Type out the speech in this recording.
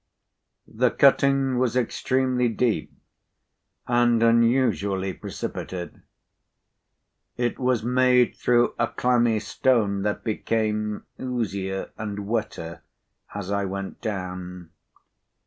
The cutting was extremely deep, and unusually precipitate. It was made through a clammy stone that became oozier and wetter as I went down.